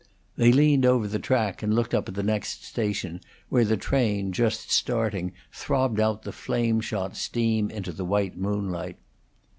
They leaned over the track and looked up at the next station, where the train, just starting, throbbed out the flame shot steam into the white moonlight.